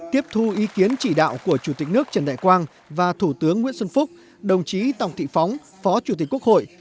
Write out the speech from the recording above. tiếp thu ý kiến chỉ đạo của chủ tịch nước trần đại quang và thủ tướng nguyễn xuân phúc đồng chí tòng thị phóng phó chủ tịch quốc hội